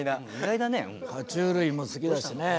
は虫類も好きだしね。